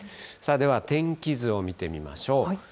では天気図を見てみましょう。